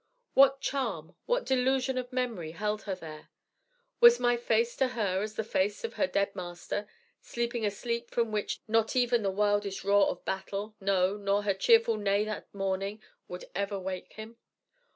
What charm, what delusion of memory held her there? Was my face to her as the face of her dead master, sleeping a sleep from which not even the wildest roar of battle, no, nor her cheerful neigh at morning, would ever wake him?